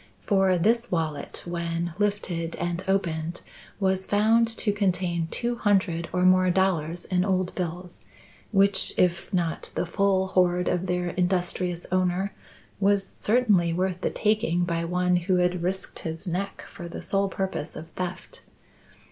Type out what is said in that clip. For this wallet, when lifted and opened, was found to contain two hundred or more dollars in old bills, which, if not the full hoard of their industrious owner, was certainly worth the taking by one who had risked his neck for the sole purpose of theft.